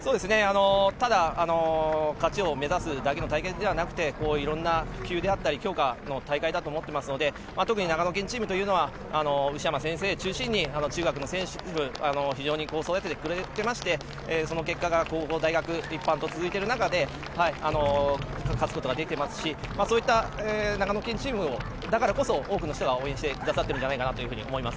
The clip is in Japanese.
ただ、勝ちを目指すだけの大会ではなくていろいろな評価の大会だと思っていますので得に長野県チームというのはうしやま先生を中心に中学の選手を非常に育ててくれていましてその結果が高校、大学一般と続いている中で勝つことができていますしそういった長野県チームだからこそ多くの人が応援してくださっているんじゃないかと思います。